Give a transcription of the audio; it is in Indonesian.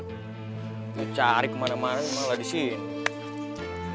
ngecari kemana mana malah disini